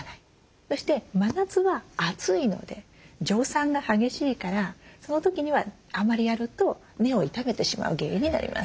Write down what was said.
そして真夏は暑いので蒸散が激しいからその時にはあんまりやると根を傷めてしまう原因になります。